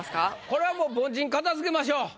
これはもう凡人片づけましょう。